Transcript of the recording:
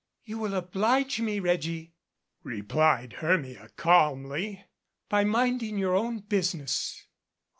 "You will oblige me, Reggie," replied Hermia calmly, "by minding your own business."